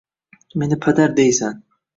meni padar deysan